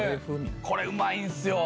これうまいんすよ！